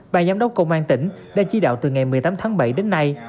bà giám đốc công an tỉnh đã chỉ đạo từ ngày một mươi tám tháng bảy đến nay